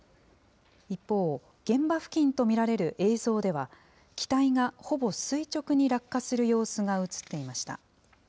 一方、現場付近と見られる映像では、機体がほぼ垂直に落下する様子が写っていました。